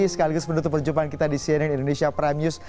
sekaligus menutup perjumpaan kita di cnn indonesia prime news